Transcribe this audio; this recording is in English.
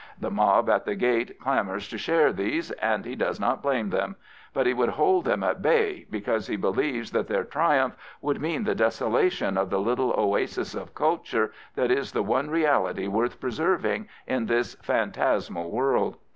The mob at the gate clamours to share these, and he does not blame them. But he would hold them at bay, because he believes that their triumph would mean the desola tion of the little oasis of culture that is the one reality worth preserving in this phantasmal world.